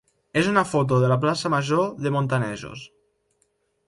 és una foto de la plaça major de Montanejos.